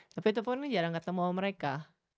tapi itu pun jarang ketemu sama mereka